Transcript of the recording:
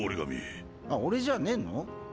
あ俺じゃねぇの？